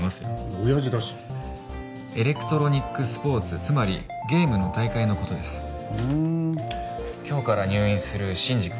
オヤジだしエレクトロニック・スポーツつまりゲームの大会のことですふん今日から入院する真司君